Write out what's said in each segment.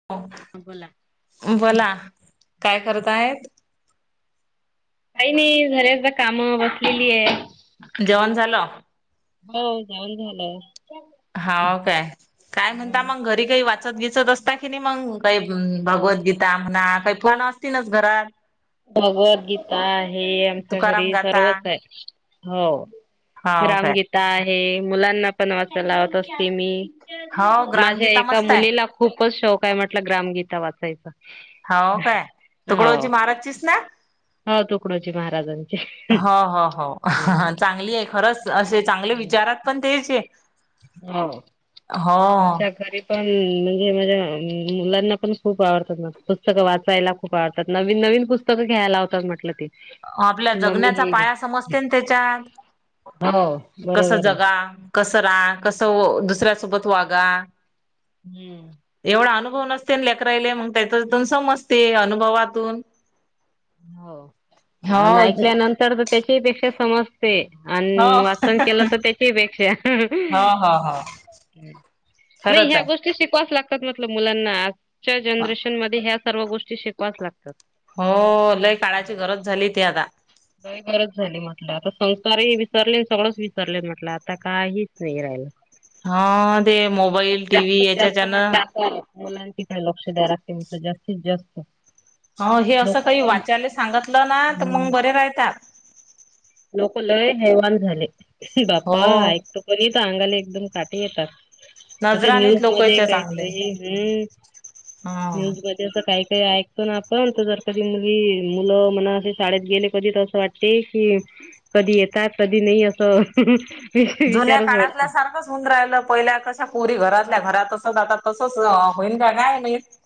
[inaudible] अ बोला! बोला काय करतायेत? काही नाही झाले एकदा काम बसलेली हे! जेवण झालं? हो जेवण झालं! हाव काय, काय म्हणता मंग घरी काही वा त दिसत असता कि नाही मंग काही भगवद्गीता आम्हाणा काही फोन असतीलच घरात. भगवद्गीता. हा ही आमच्या तुकाराम घरी गाथा सर्वच आहे हो हाव काय ग्रामगी. आहे. मुलांना पण वाचायला लावत असते मी. हाव माझ्या ग्रामगीता एका मस्त आहे. मुलीला खूपच शौक आहे म्हटलं, ग्रामगीता वाचायचा. हावो काय? हो तुकडोजी महाराजांचीव ना? हो तुकडोजी महाराजांची. हो हो हो चांगली आहे. खरच, असे चांगले विचार पटकन तेचे. वा वा. आमच्या गरीब पण, म्हणजे माझ्या मुलांना पण खूप आवडतात ना पुस्तकं वाचायला. खूप आवडतात. नवीन, नवीन पुस्तकं घ्यायला लावतात म्हटलं ते. आपल्या की मम्मी जगण्याचा हे घे. पाया समजते ना त्याच्यात. हो कसं बरोबर आहे. जगा कसं राहा, कसं व दुसऱ्यासोबत वागा. हम्म. एवढा अनुभव नसते लेकररायले. मग त्याच्यातून समजते अनुभवातून. हो. हो अन् ऐकल्यानंतर तर त्याच्याहि पेक्षा समज पे आन हो वाचन केलं तर त्याच्याही पेक्षा. हो हो हो नाही खरंच या आहे. गोष् ष्टी शिकवाच लागतात म्हटल मुलांना. आजच्या जनरेशन मध्ये ह्या सर्व गोष्टी शिकवाच लागतात. हो. लई काळाची गरज झाली ती आता. काही गरज झाली म्हटलं. आता संस्कारही विसरले, सगळंच विसरले म्हटलं आता काही वेळ आहे. हा ते अहो मोबाईल टी त्यांचं व्ही त्यांचं याच्याच्यानं म्हटलं आपण. मुलांची काय लक्ष द्यायला लागते म्हटलं जास्तीत जास्त. हाव हे असं लोक काही वाच्यायला हम्म सांगातलं ना, तर मग बरे रायतात. लोकं लय हैवान झाले. बाप्पा हो ऐकतो पण इथं अंगाला एकदम काटे येतात. असं नजराणीत न्यूज मध्ये लोकच्या काय चांगले तरी हम् हा. न्यूज म असं काही काही ऐकतो ना आपण, तर जर कधी मुली मुलं म्हणा ते शाळेत गेले, कधी तर असं वाटते की कधी येतात कधी नाही असं जुन्या विचारच काळातल्या वाटते. सारखंच. तून राहिल्या पहिल्या कशा पोरी घरातल्या घरात. तसं आता तसंच होईन का काय माहित?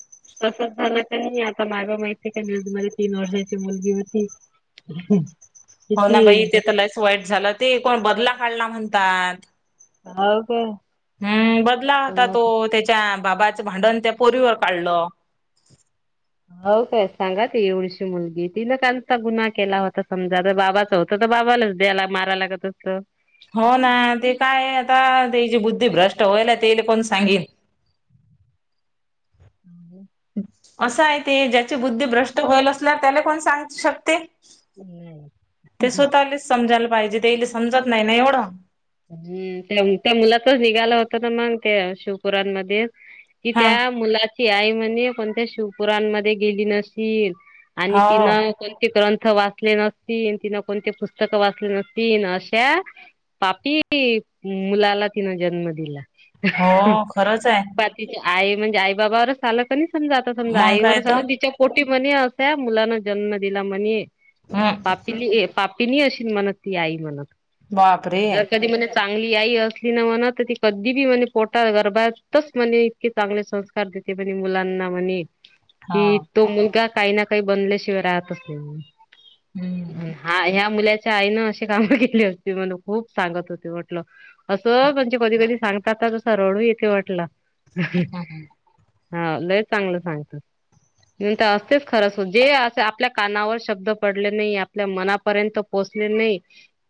तसच झालं तरी मी आता माग [unintelligible] माझी तीन वर्षाची मुलगी होती. [unintelligible] हो ना बाई, ते किती तर लईच वाईट झालं. ते कोण बदला काढला म्हणतात. [unintelligible] हम्म बदला होता तो. का त्याच्या बाबाचं भांडण त्या पोरीवर काढलं. हो काय सांगा की, एवढीशी मुलगी, तिन कनचा गुन्हा केला होता? समजा तर बाबाचा हो. तर तर बाबालाच, तेयाला मारायला लागत असतं. हो ना. ते काय आहे, आता तेचि बुद्धी भ्रष्ट व्हायल्या, तेले कोण सांगेल? [inaudible] असा आहे, ते ज्याची बुद्धी भ्रष्ट होईल असल्याव त्याले कोण सांगू शकते? ते स्वतःलेच समजायला पाहिजे. तेयले समजत नाही ना एवढं. जी. त्याम, त्याम मुलाचाच निघाला होत ना मग त्या शिवपुरांमध्ये. कि हा त्या मुलाची आई म्हणे कोणत्या शिवपुरानमध्ये गेली नसशील. आणि हो तिनं त्या ते ग्रंथ वाचले नसतीन. तिन कोणते पुस्तकं वाचले नसतीन अश्या पापीत मुलाला तिनं जन्म दिला. हो खरंच हाय. तिच्या आई म्हणजे आई बाबावरच आलं कणय समजा आता समजा मग काय आईवरच तर आलं तिच्या कोटी म्हणे अश्या मुलांना जन्म दिला म्हणे, हम्म पापीली ये पाप तिनी अशी म्हणत, ती आई म्हणत बापरे जर कधी म्हणे चांगली आई असली ना, म्हण तर ती कधी बी म्हणे पोटा गरबातच म्हणे इतके चांगले संस्कार देते म्हणजे मुलांना म्हणे हा की, तो मुलगा काही ना काही बनल्याशिवाय राहतच नाई. हम्म हा, ह्या मुलाच्या आईनं अशी काम केली असती. म्हणु खूप सांगत होते वाटलं. असं म्हणजे कधी कधी सांगता ता तसा रडू येते वाटला. हम्म. हा, लय चांगलं सांगतात म्हणून त असतेच खरंच, जे अस आपल्या कानावर शब्द पडले नाही. आपल्या मनापर्यंत पोचले नई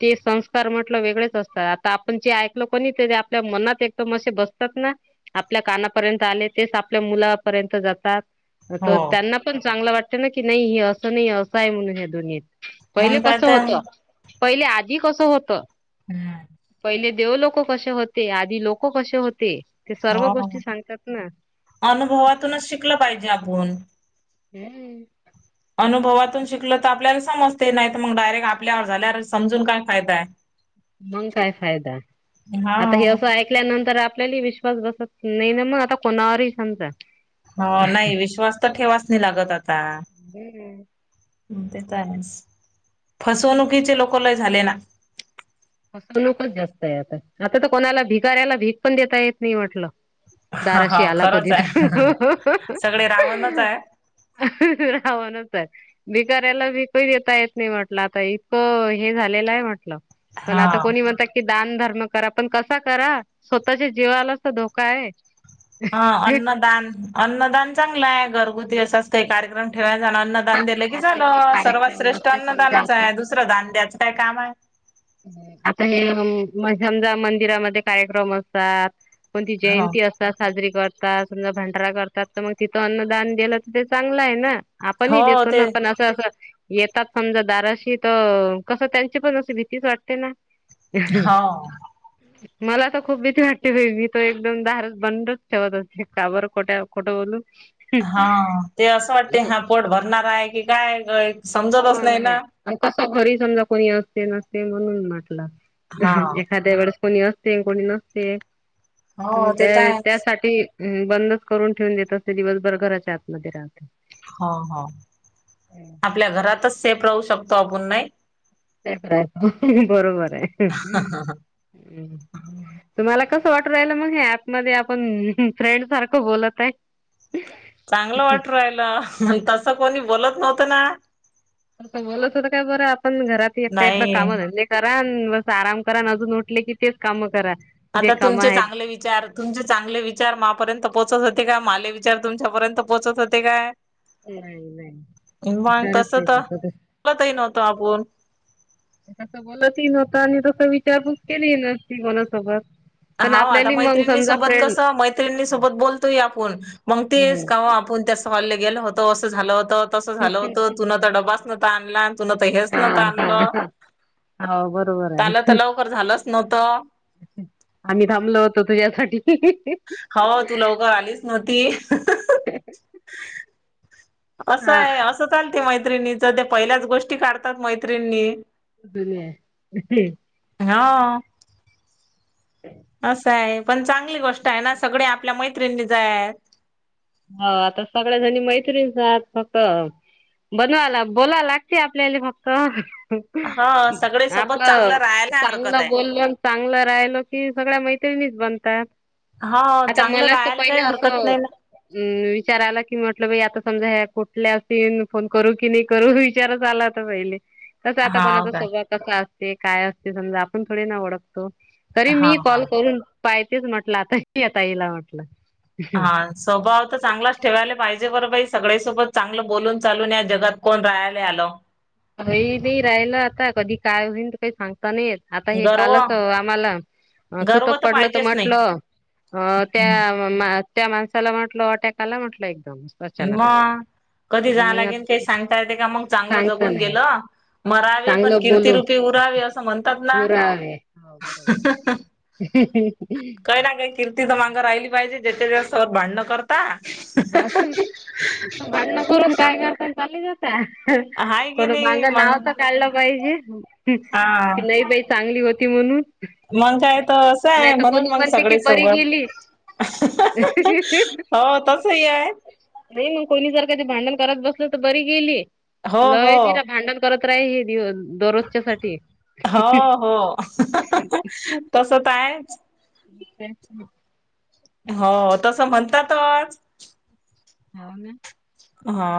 ते सं र म्हटलं वेगळेच असतात. आता आपण जे ऐकलो कणी, ते जे आपल्या मनात एकदम असे बसतात ना आपल्या कानापर्यंत आले. तेच आपल्या मुलापर्यंत जातात. त हो त्यांना पण चांगलं वाटत ना की, नाही हे असं नाही असं आहे. म्हणून ह्या दुनियेत. पहिले मग काय कसं तर होत. पहिले आधी कसं होत. हम्म पहिले देव लोक कशे होते. आधी लोक कशे होते. ते सर्व हो गोष्टी सांगतात ना अनुभवातूनच शिकलं. पाहिजे आपुन. हम्म अनुभवातून शिकलं त आपल्याला समजते. नाय त मंग डायरेक्ट आपल्यावर झाल्यावर समजून काय फायदा हाय. मंग काय फायदा, हा आता हे असं ऐकल्यानंतर आपल्याही विश विश्वास बसत नाय न म आता कोणावरही समजा हो. नाही विश्वास त ठेवाच नाही लागत आता हु ते त आहेस. फसवणुकीचे लोक लय झाले ना. फसवणूकच जास्त हाय आता, आता त कोणाला भिकाऱ्याला भीक पण देता येत नाय म्हटलं हा हा दाराशी आला खरंच कधी त आहे सगळे रावणच आहे रावणच हाय. भिकाऱ्याला भिकही देता येत नाय म्हटलं, आता इतकं हे झालेलं हाय म्हंटलं. पण हा आता कोणी म्हणता की, दान धर्म करा. पण कसा करा. स्वतःच्या जीवालाच तर धोका आहे. हा, अन्नदान, अन्नदान चांगलं हाय. घरगुती अस असतय कार्यक्रम ठेवाय जानान अन्नदान दिलं की झालं. सर्वात श्रेष्ठ अन्नदानच ये. दुसरं दान द्याचं काय काम आय. हूं, आता हे म समजा, मंदिरामध्ये कार्यक्रम असतात. कोणती हो जयंती अस चा साजरी करतात. समजा भंडारा करतात. त म तिथं अन्नदान दिलं तर ते चांगलं हाय ना. आपणही हो देतो ते ना, पण असं असं, येतात समजा दाराशी त कसं त्यांची पण अस भित भीतीच वाटते ना हो मला तर खूप भीती वाटते बाई, मी त एकदम दारच बंदच ठेवत असते. का बर खोट्या खोटं बोलू. हा ते असं वाटतय हा पोट भरणार हाय की काय समजतच नाही ना अनं कसं घरी समजा कोणी असते नसते म्हणून म्हटला हा. एखाद्या वेळेस कोणी असते. कोणी नसते. त मंग हो ते तर त्या आहेच. त्यासाठी हम्म, बंदच करून ठेवून देत असते. दिवसभर घराच्या आतमध्ये राहत- हा, हा आपल्या घरातच सेफ राहू शकतो आपण नाही. तर काय? बरोबर आहे. तुम्हाला कसं वाटून राहिल मग, हे ऍप मध्ये आपण फ्रेंड सारखं बोलत आहे. [inaudible] चांगलं वाटून राहिला, मंग तसं कोणी बोलत नव्हतं ना. असं बोलत होतो काय बरं, आपण घरात एकदा नाही. कामा धंदे करा, अन् बस आराम करा, अन् अजून उठले की, तेच कामं करा. जे आता कामं तुमचे आहेत. चांगले विचार तुमचे चांगले विचार मापर्यंत पोहोचत होते काय? माले विचार तुमच्यापर्यंत पोहोचत होते काय? नाही नाही [unintelligible] खरंच तस तर नाही [unintelligible] नव्हत आपण. तसं बोलतही नव्हत आणि तस विचार पण केली नव्हती कोणासोबत. पण हाव, आता आपल्याली मग मैत्रिणी समजा सोबत फ्रेंड कसं मैत्रिणी सोबत बोलतोय आपुण. मग तेच हम्म कवा आपण त्यास हॉलला गेल होत, असं झालं होतं. तसं झालं होतं, तुन तर डबाच नव्हता आणला, अन् तुन तर हेच हा नव्हतं आणलं. हा हो बरोबर आहे त्याला तर लवकर झालंच नव्हतं. आम्ही थांबलो होतो तुझ्यासाठी. हो, तू लवकर आलीच नव्हती. असं हा आहे, असं चालते मैत्रिणीच, त्या पहिल्याच गोष्टी काढतात मैत्रिणी. [unintelligible] हा. [inaudible] असं हाय, पण चांगली गोष्ट आहे ना, सगळे आपल्या मैत्रिणीच हायत. हो, आता सगळ्याजणी मैत्रिणच आहात फक्त. बनवायला बोला लागते आपल्याला फक्त. हो सगळे सोबत आपलं चांगलं राहायला हरकत चांगलं आहे. बोलल, चांगलं राहिलो कि, सगळ्या मैत्रिणीच बनता त. हो आता चांगलं मलाच तो राहायला काही पाहिले अस हरकत नाही ना अम्म, विचार आला कि, म्हटलं बाई आता समजा ह्या कुठल्या अस फोन करू की नाही करू विचारच आलात पहिले. कस आता हाव कोणाचा काय. स्वभाव कसा असते, काय असते, समजा आपण थोडी ना ओळखतो. तरी हा मी हा. कॉल करून पाहितीच म्हटलं आता या ताईला म्हटलं. हा स्वभाव तर चांगलाच ठेवायला पाहि [unintelligible] बरोबर सगळेसोबत चांगलं बोलून, चालून या जगात कोण राहायला आलो. हाई बाई, राहिलं आता कधी काय होईन ते काही सांगता नाहीे येत. आता हे गर्व कालच आम्हाला गर्व सुतक पडलं तर पाहिजेच नाही म्हटलं, अ हम्म. त्या- त्या माणसाला म्हटल अटॅकाला म्हटल एकदम. अचानकच. मग कधी जावं लागेल, काही सांगता येत का मग चांगलं सांगता जगून नाही येत. गेलं. मरावे पण चांगलं बोलून कीर्तिरूपी उरावे, असं म्हणतात ना. [unintelligible] तिथ तर माग राहिली पाहिजे जे [unintelligible] भांडण कर [unintelligible] भांडण करून काय करतात [unintelligible] हाय [unintelligible] की कोणी नाही माझ नाव तर मग काढलं पाहिजे. हा नाय बाई चांगली होती म्हणून, मग काय तर असं आहे नाहीतर कोणी म्हणून मग म्हणते की सगळे परी सोबत गेली. हो, तसही आहे. मग कोणी जर कधी भांडण करत बसलं तर परी गेली. हो हो लय तिरा भांडण करत राहील एक दिवस दररोजच्या साठी. हो हो तस ताय [unintelligible] हो तसं म्हणतातच हो ना हा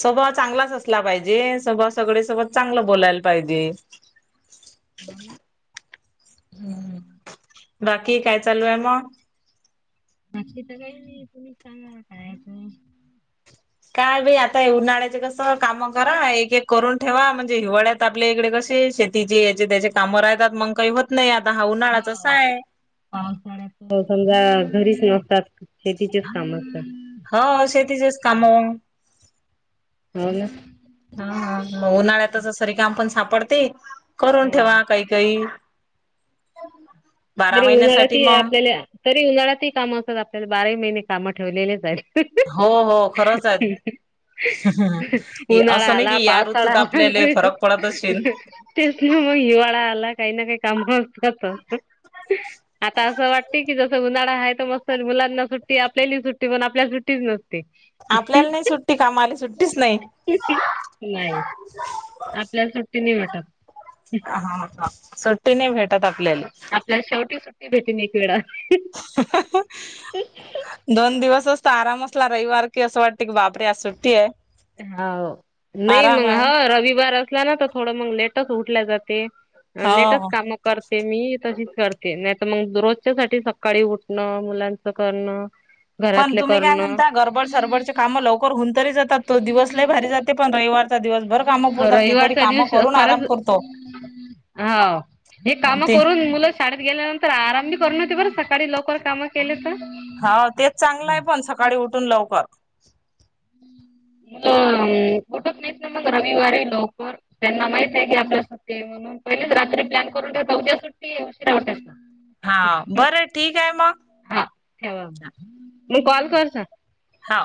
स्वभाव चांगलाच असला पाहिजे स्वभाव सगळे सोबत चांगलं बोलायला पाहिजे. [inaudible] हू बाकी काय चालू हाय म बाकीच काय नाही तुम्ही सांगा कायतर काय बाई आता हे उन्हाळ्याच कसं काम करा एक एक करून ठेवा म्हणजे हिवाळ्यात आता आपल्या इकडे कशि शेतीचे याची त्याची कामं राहतात मग काय होत नाही आता हा उन्हाळा असा हाय. पावसाळ्यात समजा घरीच नसतात. शेतीचेच काम असतात. हो शेतीचेच कामं हो ना हा हा म उन्हाळ्यातच अस रिकाम पण सापडते करून ठेवा काही काही बारा तरी महिन्यासाठी उन्हाळ्यातही मग. आपल्याला तरी उन्हाळ्यातही कामं असतात आपल्याला बाराही महिने कामं ठेवलेलेच हाइत. हो हो खरंच आहे [unintelligible] उन्हाळा असं नाही आला की या पावसाळा ऋतूत आपल्याला आला. फरक पडत असशील तेच ना म हिवाळा आला काही ना काही काम असतातच. आता असं वाटते की जसं उन्हाळा हाय तर मस्त मुलांना सुट्टी आपल्याली सुट्टी पण आपल्या सुट्टीच नसते. ती कामाले सुट्टीच नाई नाही आपल्याला सुट्टी नाही भेटत. हा का सुट्टी नाही भेटत आपल्याले. आपल्याला शेवटी सुट्टी भेटेन एक वेळा. दोन दिवसच तर आराम असला रविवार की असं वाटते की बापरे आज सुट्टी हाय. हाव नाही मग ह रविवार असला ना तर थोड मग लेटच उठल जाते. लेटच हो काम करते मी तशीच करते नाही तर मग रोजच्यासाठी सकाळी उठणं मुलांचं करणं पण घरातलं तुम्ही काय करणं म्हणता गरबड सरबडचे कामं लवकर होऊन तरी जातात. तो दिवस लय भारी जाते. पण रविवार तर दिवसभर काम पुरतात हे तरी रविवारच्या काम दिवशी करून आराम खरंच करतो. हाव हे काम ते करून मुलं शाळेत गेल्यानंतर आराम बी कर न ते बरं का सकाळी लवकर काम केलेत. हा तेच चांगलं हाय पण सकाळी उठून लवकर [inaudible] मुलं उठत नाहीत ना मग रविवारी लवकर त्यांना माहित आहे की आपल्यासाठी सुट्टी हाय म्हणून मग पहिलेच रात्री प्लॅन करून ठेवतात उद्या सुट्टीये उशीरा उठायचं. हाव बरं ठीक आहे म हा ठेवा मी कॉल करता हा